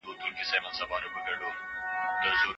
ایا ځايي کروندګر جلغوزي ساتي؟